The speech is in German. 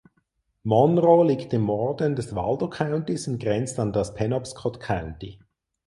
Monroe liegt im Norden des Waldo Countys und grenzt an das Penobscot County.